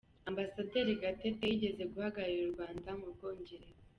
Ambasaderi Gatete yigeze guhagararira u Rwanda mu Bwongereza.